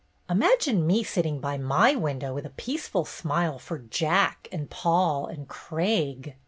"Imagine me sitting by my window with a peaceful smile for Jack and Paul and Craig!"